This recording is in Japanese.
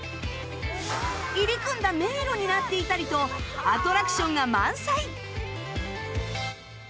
入り組んだ迷路になっていたりとアトラクションが満載！